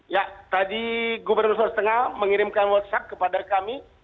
ya tadi gubernur sulawesi tengah mengirimkan whatsapp kepada kami